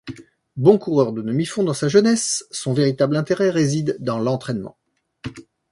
Bon coureur de demi-fond dans sa jeunesse, son véritable intérêt réside dans l'entrainement.